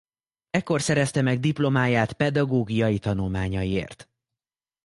Ekkor szerezte meg diplomáját pedagógiai tanulmányaiért.